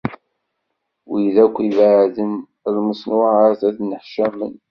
Wid akk iɛebbden lmeṣnuɛat, ad nneḥcamen.